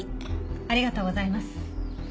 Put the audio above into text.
ありがとうございます。